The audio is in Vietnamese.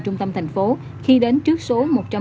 trung tâm thành phố khi đến trước số